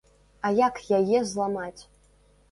А як яе зламаць?